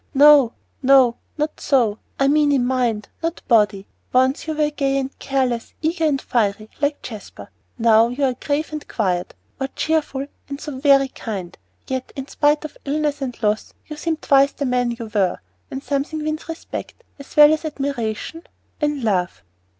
"No, no not so! I mean in mind, not body. Once you were gay and careless, eager and fiery, like Jasper; now you are grave and quiet, or cheerful, and so very kind. Yet, in spite of illness and loss, you seem twice the man you were, and something wins respect, as well as admiration and love."